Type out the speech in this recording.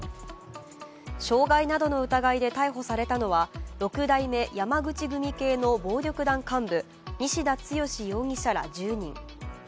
傷害などの疑いで逮捕されたのは六代目山口組系の暴力団幹部西田剛容疑者ら１０人。